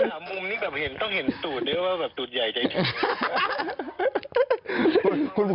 หามุมต้องเห็นสูตรนี่ตูดใหญ่ใจขนาดนี้